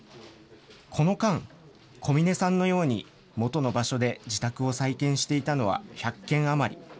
この間、小嶺さんのように元の場所で自宅を再建していたのは１００軒余り。